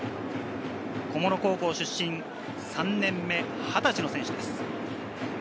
菰野高校出身、３年目２０歳の選手です。